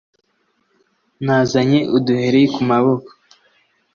Nazanye uduheri ku maboko